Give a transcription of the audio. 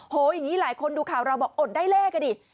อย่างนี้หลายคนดูข่าวเราบอกอดได้เลขอ่ะดิ